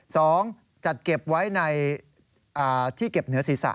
สองจัดเก็บไว้ในที่เก็บเหนือศีรษะ